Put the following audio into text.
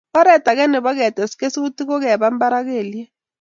Oret agenge nebo ketes kesutik ko keba mbar ak kelyek